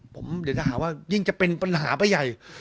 ผมเดี๋ยวจะหาว่ายิ่งจะเป็นปัญหาไปใหญ่